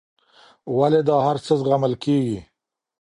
ولې دا هرڅه زغمل کېږي.